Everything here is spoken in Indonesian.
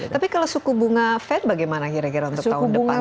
tapi kalau suku bunga fed bagaimana kira kira untuk tahun depan